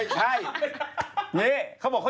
ใช่